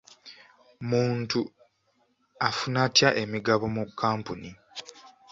Muntu afuna atya emigabo mu kkampuni?